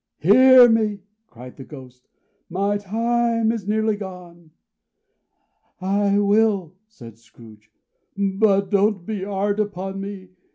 "Hear me!" cried the Ghost. "My time is nearly gone." "I will," said Scrooge. "But don't be hard upon me!